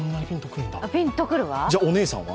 じゃあ、お姉さんは？